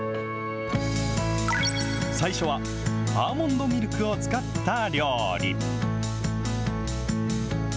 最初はアーモンドミルクを使った料理。